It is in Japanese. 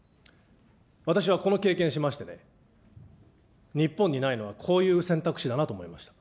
私はこの経験をしましてね、日本にないのはこういう選択肢だなと思いました。